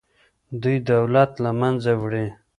دوی دولت له منځه وړي.